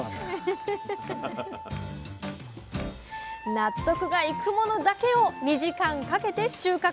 納得がいくものだけを２時間かけて収穫。